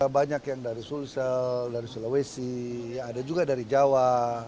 banyak yang dari sulsel dari sulawesi ada juga dari jawa